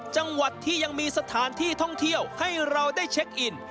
จังหวัดที่ยังมีสถานที่ท่องเที่ยวให้เราได้เช็คอิน